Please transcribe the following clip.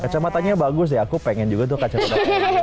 kacamatanya bagus ya aku pengen juga tuh kacamata